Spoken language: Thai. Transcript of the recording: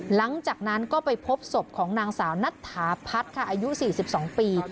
หลังจากนั้นก็ไปพบศพของนางสาวนัทธาพัฒน์ค่ะอายุ๔๒ปี